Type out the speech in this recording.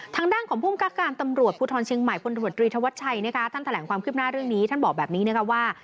ทางด้านของภูมิกับการตำรวจภูทรเชียงใหม่พลตำรวจรีธวัชชัยนะคะท่านแถลงความคืบหน้าเรื่องนี้ท่านบอกแบบนี้นะคะว่า